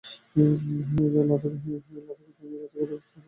তিনি লাদাখের জাংস্কার উপত্যকায় স্তোংদে বৌদ্ধবিহার নির্মাণ করেন।